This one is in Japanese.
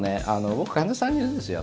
僕、患者さんに言うんですよ。